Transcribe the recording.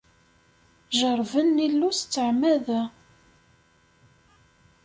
Jeṛṛben Illu s ttɛemda.